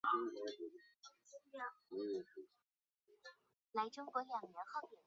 该物质不稳定的原因可能是锂离子的半径与臭氧根离子相差过大。